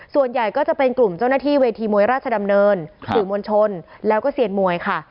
ส่วนใหญ่ก็จะเป็นกลุ่มเจ้าหน้าที่เวทีมวยราชดำเนินสื่อมวลชนแล้วก็เซียนมวยค่ะ